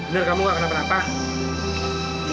bener kamu gak kena perasaan